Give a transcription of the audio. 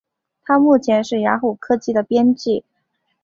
他目前是雅虎科技的编辑。